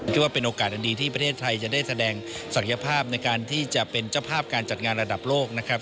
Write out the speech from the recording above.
ว่าเป็นโอกาสอันดีที่ประเทศไทยจะได้แสดงศักยภาพในการที่จะเป็นเจ้าภาพการจัดงานระดับโลกนะครับ